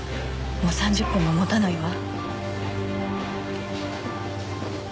もう３０分も持たないわ。